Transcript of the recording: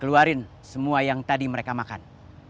keluarin semua yang tadi mereka makan